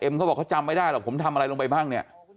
เขาบอกเขาจำไม่ได้หรอกผมทำอะไรลงไปบ้างเนี่ย